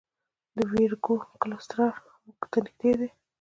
د ویرګو کلسټر موږ ته نږدې دی.